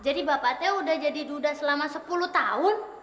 jadi bapak tee udah jadi duda selama sepuluh tahun